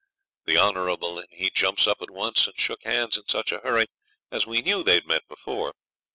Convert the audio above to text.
The Honourable and he jumps up at once and shook hands in such a hurry so as we knew they'd met before.